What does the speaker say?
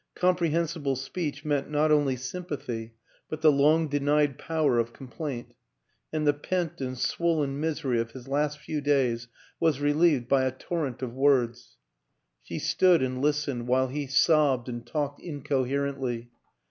Comprehensible speech meant not only sympathy, but the long denied power of complaint and the pent and swollen misery of his last few days was relieved by a torrent of words. She stood and listened while he sobbed and talked incoherently.